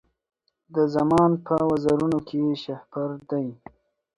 د زمان په وزرونو کي شهپر دی